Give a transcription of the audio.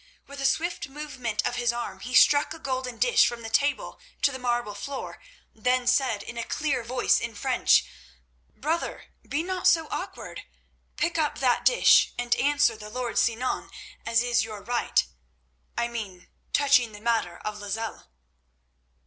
With a swift movement of his arm he struck a golden dish from the table to the marble floor, then said, in a clear voice in French: "Brother, be not so awkward; pick up that dish and answer the lord Sinan as is your right—I mean, touching the matter of Lozelle."